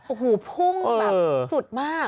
โอ้โหพุ่งแบบสุดมาก